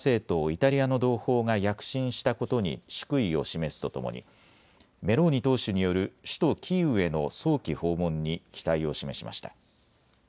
イタリアの同胞が躍進したことに祝意を示すとともにメローニ党首による首都キーウへの早期訪問に期待を示しました。